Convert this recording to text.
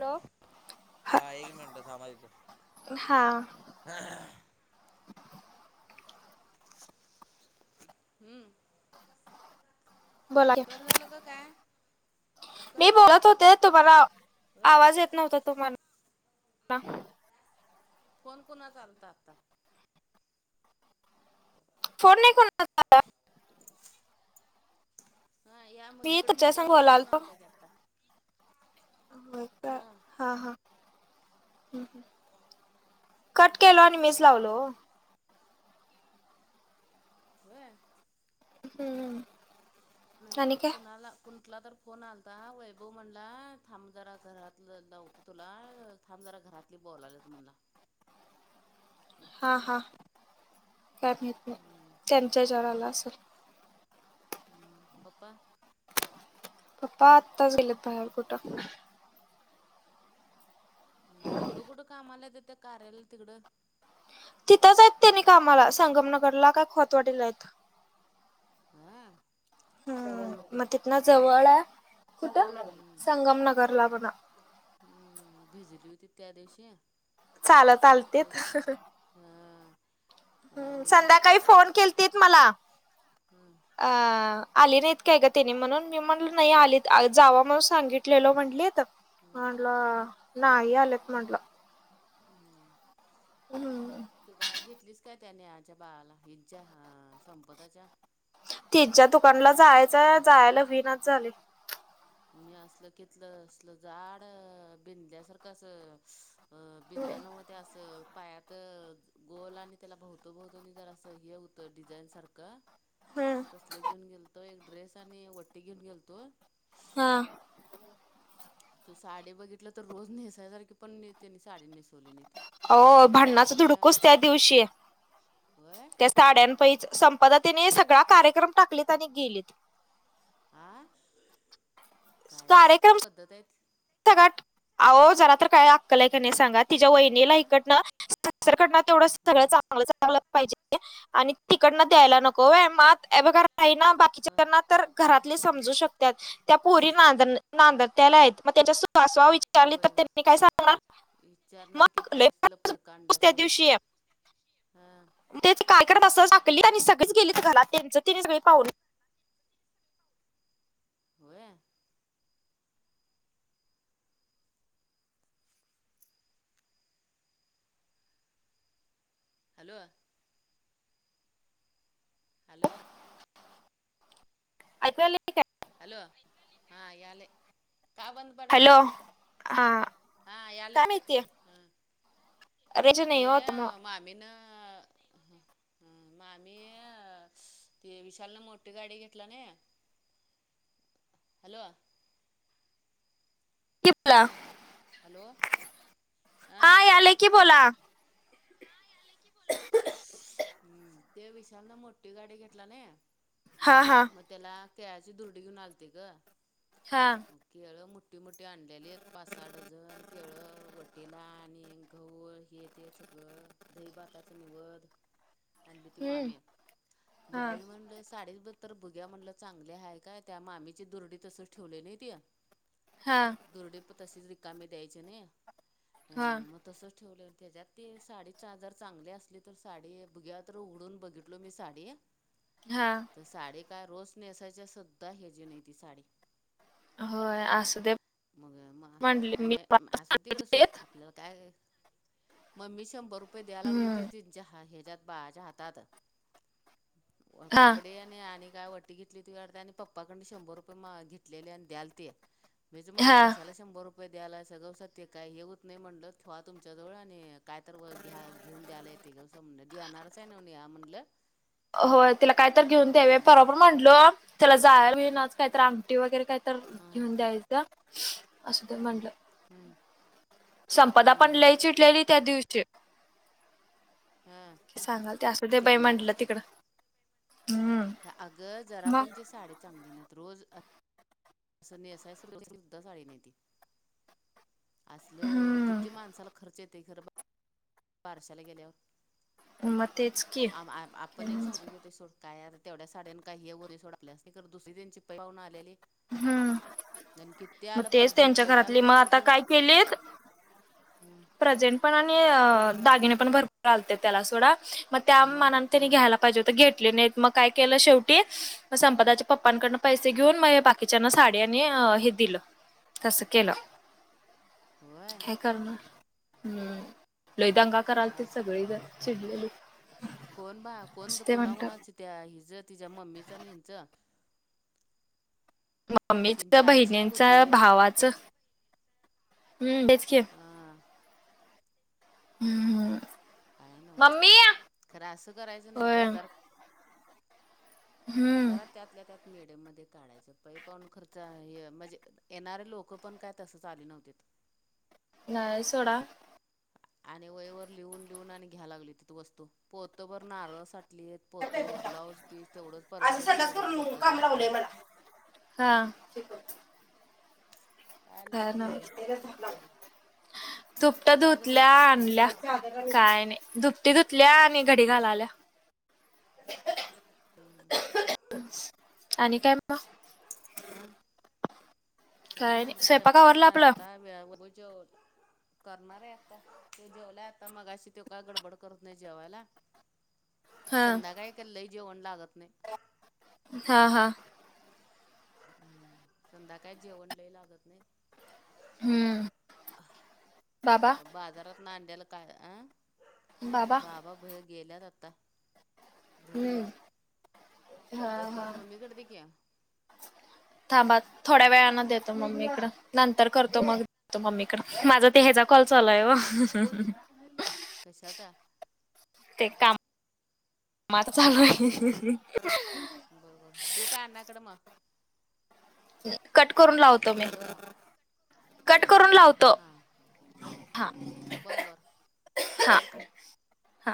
Hello. हा एक minute थांबा देतो. हा हम्म, बोला की कट झालं का काय? कट मी झालं बोलत होते तुम्हाला होय आवाज येत नव्हता तुम्हाला. फोन कोणाचा आलता आत्ता? [inaudible] फोन नाही कोणाचा आला. हा या मग मी इकडं तुमच्या संग मोबाईलवर फोन बोलालतो आलता की आत्ता. हो का? हा, हा हं हं. कट केलो आणि मीच लावलो ओ. होय? हम्म. आणि नाही काय कोणाला कोण कुठला तर फोन आलता वैभव म्हणला थांब जरा घरात लावतो तुला. अं थांब जरा घरातली बोलाल्यात म्हंटला. हा हा, काय माहित नाही, हम्म त्यांच्या हेच्यावर आला असेल. पप्पा पप्पा आत्ताच गेलेत बाहेर कुठं. हं तिकडं कुठं कामाला हायत त्या कार्याला तिकडं? तिथंच आहेत तेनी कामाला संगमनगरला काय खोतवाडीला हायत. हा. हम्म मग तिथनं जवळ आहे, कुठं? हम्म संगम नगरला म्हण. हम्म भिजलीवतीत त्या दिवशी. चालत आललीत. हा. हम्म संध्याकाळी फोन केलतीत मला. हं अ आली नाहीत काय ग? तेनी म्हणून मी म्हणल नाही हं आलीत जावा म्हणून सांगितलेल म्हणलीत. हं हं म्हणलं नाही आलेत म्हटलं. हम्म. हम्म. तू [unintelligible] घेतलीस काय त्या नेहाच्या बाळाला हिच्या संपदाच्या? तिच्या दुकानला जायचंय जायला हुईनाच झालंय. मी असलं घेतलं असलं जाड बिंदल्यासारखं असं बिंदल्या न्हव ते असं पायात गोल आणि त्याला भोवतभोवतनी जरास हे हुतं डिझाईनसारखं. हम्म तसलं घेऊन गेलतो. एक ड्रेस आणि वटी घेऊन गेलतो. हा. तु साडी बघितलं तर रोज नेसायसारखी पण त्यांनी साडी नेसवली नाहीत. अहो ते भांडणाच मामीनं धुडकूस त्यादिवशी. होय त्या साड्यांपैंच संपदा तेनी सगळा कार्यक्रम टाकलीत आणि गेलीत. आ काय जरा तर कार्यक्रम पद्धत आहेत [unintelligible] अहो जरा तर काय अक्कल हाय काय नाही सांगा, तिच्या वहिनीला हा इकडनं दुसरीकडनं तेवढं सगळं चांगलं ह चांगलं, चांगलं पाहिजे आणि तिकडनं द्यायला नको व्हय. मग आता हे बघ घरा काही ना ह बाकीच्यांना तर घरातले ह समजू शकतात. त्या पोरी ना ह नांदत्याल्या आहेत मग त्याच्या [unintelligible] विचारली होय तर त्यांनी काय सांगणार? विचारणार की मग लय काय असलं फारच फडक बोस आणल्यास म्हणून हा. तेच कार्यक्रम असं टाकली आणि सगळीच गेली [unintelligible] तेंच तेनी सगळी पाह होय. हॅलो. हॅलो. ऐकु यालंय? हॅलो हां यालय. का बंद पडालय? हॅलो हा, काय माहिती. हा ते अ मग मामीनं ह हम्म, मग आम्ही ते विशालने मोठी गाडी घेतला नाही हॅलो. [unintelligible] हॅलो. हा, हां यालंय की बोला. हम्म ते विशालनं मोठी गाडी घेतला नई. हा, हा. मग त्याला केळ्याची दुरडी घेऊन आलते ग. हा. मग केळं मोठी मोठी आणलेलीत पाच सहा डझन केळं, वटीला आणि गहू हे ते सगळं दही भाताच निवद. आणलीवती हम्म मामी, हा मग मी म्हणलं साडीच बद तर बघुया म्हणलं चांगली हाय काय, त्या मामीची दुरडी तसंच ठेवलेलीत. हा. दूरडी तशीच रीकामी द्यायची नाही. हा. अं मग तसंच ठेवलो आणि तेज्यात ते साडीचा जरा चांगली असली तर साडी बघुया तर उघडून बघितलो मी साडी. हा. अ साडी काय रोज नेसायच्या सुद्धा ह्याची नाही ती साडी. होय असू दे मग मग म्हटले मी नाही असुदे तिकड सोड सांगितलेत आपल्याला काय मग मी शंभर रुपये द्याय लागलीवती हम्म तिनंच्या हेच्यात बाळाच्या हातात व हा कपडे आणि काय वटी घेतलीवती वाटतं आणि पप्पाकडंन शंभर रुपये मा घेतलेली आणि द्यालती. मीच म्हंटलो हा कशाला शंभर रुपये द्यालाय सगळं सत्य काय हेऊत नाही म्हंटलं ठेवा तुमच्या जवळ आणि काय तर व घ्या घेऊन द्यायला येतंय गप बसा म्हटलं देणारच आहे ना म्हणलं होय तिला काय तर ठेवली घेऊन आणि देऊया मम्मी परवा पण म्हंटलो त्याला जायाला होईनाच. काहीतरी आंगटी वगैरे काय त तर हां घेऊन द्यायचं असु दे म्हटलं. हम्म. संपदा पण हम्म लई चिडलेली त्या दिवशी. हां ती सांगालती असु दे बाई म्हटलं चिडणारच की तिकडं हम्म. अगं जरा मग पण ती साडी चांगली नाही त रोज अ असं नेसायच [unintelligible] सुद्धा साडी नाही ती. असल हम्म किती माणसाला खर्च येतंय खर बारशाला गेल्यावर. मग तेच की आम आ आ आपण एक हम्म समजू घेतोय सोड. काय आ तेवढ्या साड्यान काय हे होत सोड आपल्यासनी, पण दुसरी त्यांची पै पावण आलेली हम्म. आणि किती आलत पर्जंट लय आलत आता पर्जंट काय केलीत हम्म. प्रेझेंट पण आणि अ दागिने पण भरपुर आलते त्याला सोडा, मग म त्यामानानं हा त्यानी घ्यायला पाहिजे होत घेतले नाहीत, मग काय केलं शेवटी संपदाच्या पप्पांकडन पैसे घेऊन म बाकीच्याना साडी आणि अ हे दिलं तसं केलं. होय काय करणार? हम्म लय दंगा करालते काय सगळे जण चिडलेले. कोण बा कोण कुणाकुणाचं त्या हिजं, तिच्या मम्मीचं आणि ह्यांचं मम्मीच, तिची आजी एक होती बहिणींचा, भावाचं हम्म तेच की. हा हम्म, हम्म. काय न्हवच. खरं असं करायचं नाही होय ग. जरा हम्म जरा त्यातल्या त्यात मेडेममध्ये काढायचं. पै पावण खर्च हे म्हणजे येणारे लोकं पण काय तसंच आली नव्हतीत. नाही सोडा. आणि वयवर लिहून लिहून आणि घ्या लागली हुतीत वस्तू, पोतभर नारळ साठलीत. पोतं, ब्लाऊज पीस तेवढंच, आज परंजेड संडास तेवढंच करून लोकं काम लावलंय द्यालतीत. मला हा. काय आलं [unintelligible] धुपाटं काय झालं धुतल्या ग आणल्या काय नाही. धुपटी धुतल्या आणि घडी घालायल्या. आणि काय मग? हं. काय नाही बघ, स्वयंपाक करणार आता. वेळेवर जेव करणार आहे आता. त्यो जेवलाय आता मगाशी, ते काय गडबड करत नाही जेवायला. [inaudible] संध्याकाळी काय लय जेवण लागत नाही. हा हा. हम्म, संध्याकाळी जेवण लय लागत नाही. हम्म. बाबा बाजारातनं आणल्यालं काय, आ बाबा भईर गेल्यात आता, घरी हम्म गेल्यात. हा हा मम्मीकडं दिकी. थांबा थोड्या वेळना देतो मम्मीकडं, नंतर करतो मग. तो मम्मीकड. माझा ते ह्याचा कॉल चालूय हाय ओ. कशाचा? ते काम माचा चालू हाय. बरबर, देऊ काय आम्याकडं मग? कट करून लावतो मी, हॅलो कट करून लावतो. हां हा बरं बरं हा. कर कट हा